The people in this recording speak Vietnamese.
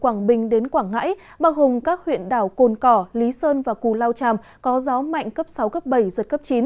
quảng bình đến quảng ngãi bao gồm các huyện đảo cồn cỏ lý sơn và cù lao tràm có gió mạnh cấp sáu cấp bảy giật cấp chín